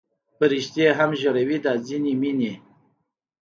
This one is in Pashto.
فرشتې هم ژړوي دا ځینې مینې